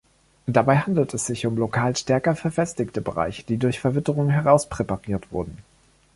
Dabei handelt es sich um lokal stärker verfestigte Bereiche, die durch Verwitterung herauspräpariert wurden.